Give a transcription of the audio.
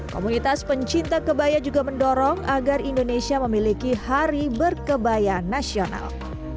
komunitas pencinta kebaya juga mendorong agar indonesia memiliki hari berkebaya nasional